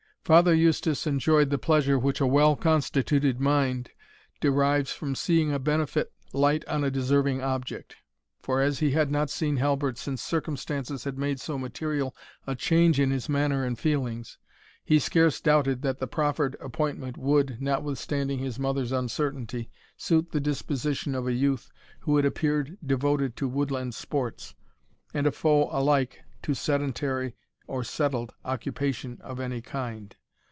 Father Eustace enjoyed the pleasure which a well constituted mind derives from seeing a benefit light on a deserving object; for as he had not seen Halbert since circumstances had made so material a change in his manner and feelings, he scarce doubted that the proffered appointment would, notwithstanding his mother's uncertainty, suit the disposition of a youth who had appeared devoted to woodland sports, and a foe alike to sedentary or settled occupation of any kind.